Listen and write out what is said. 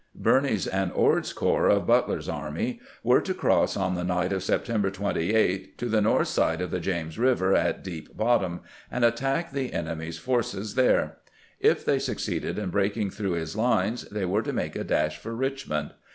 Birney's ■ and Ord's corps of Butler's army were to cross on the night of September 28 to the north side of the James Eiver at Deep Bottom, and attack the enemy's forces there. If they succeeded in breaking through his lines they were to make a dash for Eichmond.